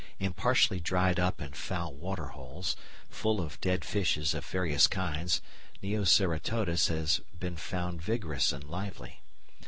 In partially dried up and foul waterholes, full of dead fishes of various kinds, Neoceratodus has been found vigorous and lively.